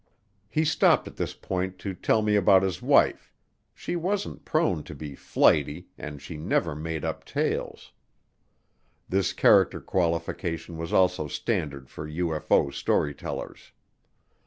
He stopped at this point to tell me about his wife, she wasn't prone to be "flighty" and she "never made up tales." This character qualification was also standard for UFO storytellers.